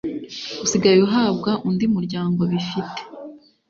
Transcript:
usigaye uhabwa undi muryango bifite